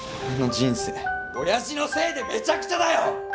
俺の人生親父のせいでめちゃくちゃだよ！